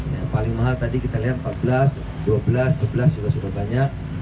yang paling mahal tadi kita lihat empat belas dua belas sebelas juga sudah banyak